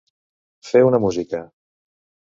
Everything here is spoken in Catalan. Fer una música.